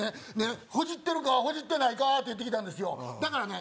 ほじってるかほじってないかって言ってきたんですよだからね